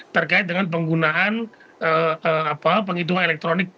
terkait dengan penggunaan penghitungan elektronik